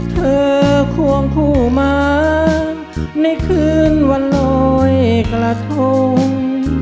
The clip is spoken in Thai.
ควงคู่มาในคืนวันลอยกระทง